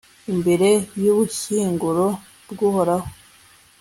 imbere y'ubushyinguro bw'uhoraho